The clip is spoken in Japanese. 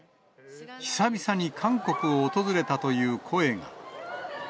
久々に韓国を訪れたという声が。